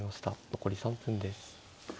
残り３分です。